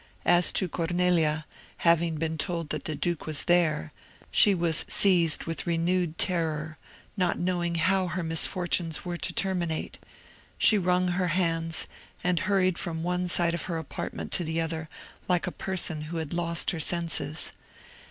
As to Cornelia, having been told that the duke was there, she was seized with renewed terror, not knowing how her misfortunes were to terminate. She wrung her hands, and hurried from one side of her apartment to the other, like a person who had lost her senses.